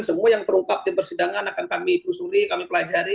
semua yang terungkap di persidangan akan kami telusuri kami pelajari